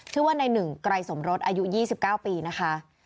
ชื่อว่าในหนึ่งไกลสมรสอายุยี่สิบเก้าปีนะคะ